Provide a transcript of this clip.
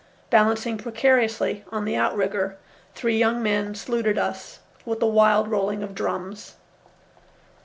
Balancing precariously on the outrigger, three young men saluted us with a wild rolling of drums.